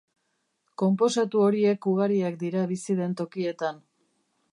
Konposatu horiek ugariak dira bizi den tokietan.